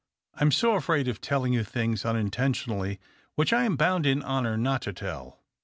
I'm so afraid of telling you things unin tentionally, which I am hound in honour not to tell.